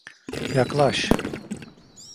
Yaklaş.